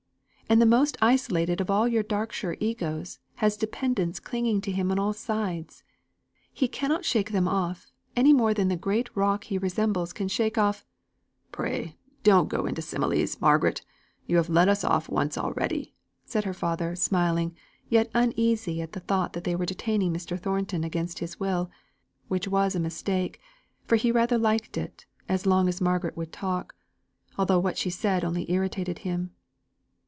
And the most isolated of all your Darkshire Egos has dependants clinging to him on all sides; he cannot shake them off, any more than the great rock he resembles can shake off " "Pray don't go into similes, Margaret; you have led us off once already," said her father, smiling, yet uneasy at the thought that they were detaining Mr. Thornton against his will, which was a mistake; for he rather liked it, as long as Margaret would talk, although what she said only irritated him.